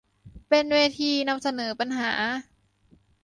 เป็นเวทีนำเสนอปัญหา